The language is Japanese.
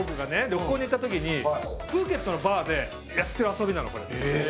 旅行に行った時にプーケットのバーでやってる遊びなのこれへえ